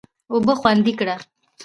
اوبه خوندي کړه.